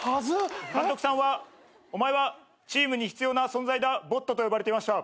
「監督さんは『お前はチームに必要な存在だボット』と呼ばれていました」